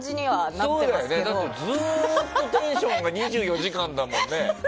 ずっとテンションが２４時間だもんね。